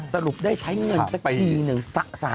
สรุปได้ใช้เงินสักทีหนึ่ง